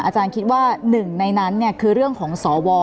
อาจารย์คิดว่าหนึ่งในนั้นคือเรื่องของสว